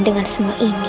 dengan semua ini